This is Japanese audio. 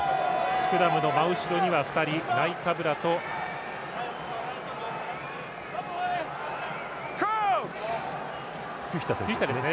スクラムの後ろには２人ナイカブラとフィフィタです。